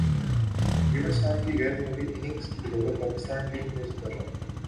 یونس خان کی غیر معمولی اننگز کی بدولت پاکستانی ٹیم نے جیتا تھا